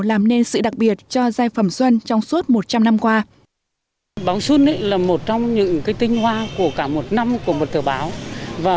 làm nên sự đặc biệt cho giai phẩm xuân trong suốt một trăm linh năm qua